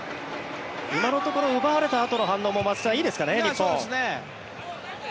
今のところ奪われたあとの反応もそうですね。